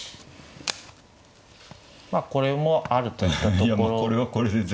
まあこれもあるといったところですかね。